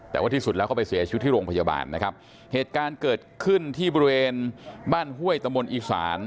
แต่ว่าที่สุดแล้วเขาไปเสียชีวิตที่โรงพยาบาลนะครับเหตุการณ์เกิดขึ้นที่บริเวณบ้านห้วยตะมนต์อีสาน